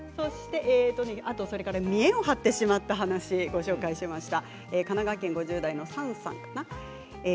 見えを張ってしまった話をご紹介しました。